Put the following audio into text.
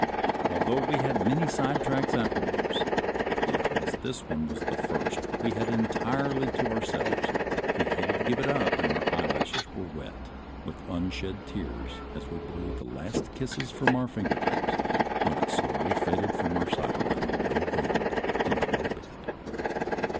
Although we had many sidetracks afterwards, yet as this one was the first we had entirely to ourselves we hated to give it up and our eyelashes were wet with unshed tears as we blew the last kisses from our finger tips when it slowly faded from our sight around a narrow bend in the roadbed.